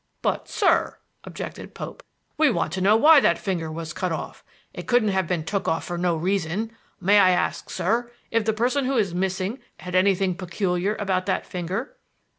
"But, sir," objected Pope, "we want to know why that finger was cut off. It couldn't have been took off for no reason. May I ask, sir, if the person who is missing had anything peculiar about that finger?"